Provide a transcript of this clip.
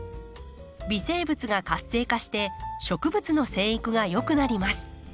微生物が活性化して植物の生育が良くなります。